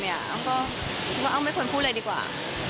อ้ำก็ว่าอ้ำไม่ควรพูดเลยดีกว่า